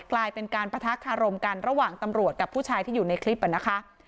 กลายเป็นการปะทะคารมกันระหว่างตำรวจกับผู้ชายที่อยู่ในคลิปนะคะ